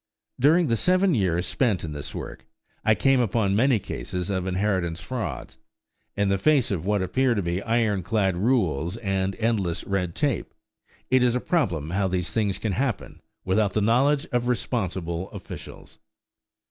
During the seven years spent in this work, I came upon many cases of inheritance frauds. In the face of what appear to be iron clad rules and endless red tape, it is a problem how these things can happen without the knowledge of responsible officials!